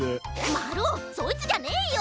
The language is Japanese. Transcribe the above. まるおそいつじゃねえよ！